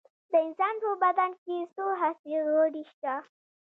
د انسان په بدن کې څو حسي غړي شته